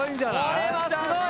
これはすごい。